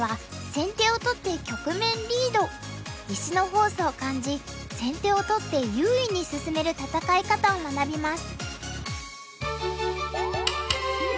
石のフォースを感じ先手を取って優位に進める戦い方を学びます。